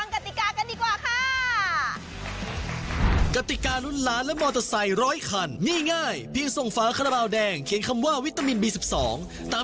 ส่วนฟ้าคันโซคุณสองต้องเขียนข้อความว่าตับนะคะ